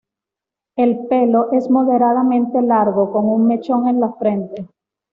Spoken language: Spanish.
El pelo es moderadamente largo, con un mechón en la frente.